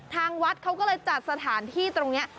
ทางวัดเขาก็เลยจัดสถานที่ตรงนี้